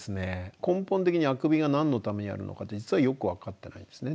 根本的にあくびが何のためにあるのかって実はよく分かってないんですね。